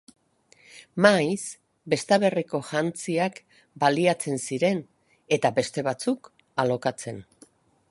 Maiz, Besta-Berriko jantziak baliatzen ziren eta beste batzuk alokatzen.